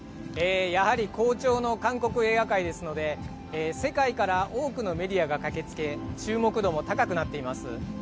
やはり好調の韓国映画界ですので世界から多くのメディアが駆けつけ注目度も高くなっています。